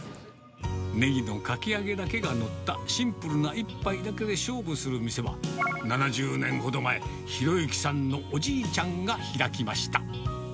ねぎのかき揚げだけが載ったシンプルな一杯だけで勝負する店は、７０年ほど前、啓之さんのおじいちゃんが開きました。